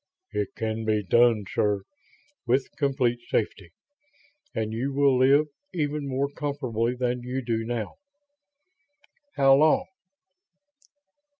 "It can be done, sir, with complete safety. And you will live even more comfortably than you do now." "How long?"